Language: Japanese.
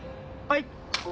はい。